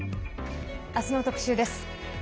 あすの特集です。